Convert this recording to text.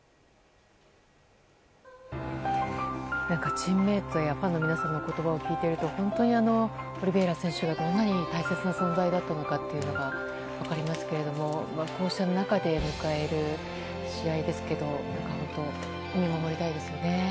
チームメートやファンの皆さんの言葉を聞いていると本当にオリベイラ選手がどんなに大切な存在だったのかが分かりますけれどもこうした中で迎える試合ですけど本当、見守りたいですね。